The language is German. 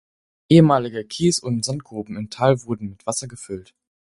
Ehemalige Kies- und Sandgruben im Tal wurden mit Wasser gefüllt.